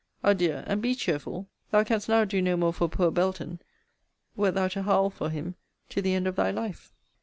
Adieu, and be cheerful. Thou canst now do no more for poor Belton, wert thou to howl for him to the end of thy life.